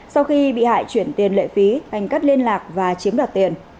sau khi bị hại chuyển tiền lệ phí anh cắt liên lạc và chiếm đoạt tiền